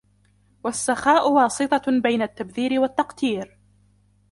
وَالسَّخَاءُ وَاسِطَةٌ بَيْنَ التَّبْذِيرِ وَالتَّقْتِيرِ